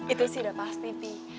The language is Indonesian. itu sih udah pasti pih